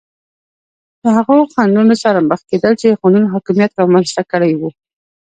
له هغو خنډونو سره مخ کېدل چې قانون حاکمیت رامنځته کړي وو.